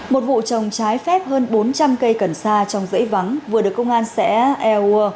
một vụ trồng trái phép hơn bốn trăm linh cây cần sa trong dãy vắng vừa được công an xã eur